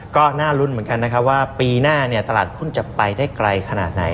ก็น่ารุ้นเหมือนกันนะครับว่าปีหน้าตลาดหุ้นจะไปได้ไกลขนาดไหน